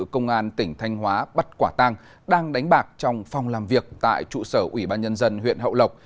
công an tỉnh thanh hóa bắt quả tang đang đánh bạc trong phòng làm việc tại trụ sở ủy ban nhân dân huyện hậu lộc